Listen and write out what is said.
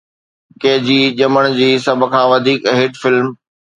K جي ڄمڻ جي سڀ کان وڌيڪ هٽ فلم